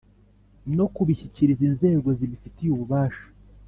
no kubishyikiriza inzego zibifitiye ububasha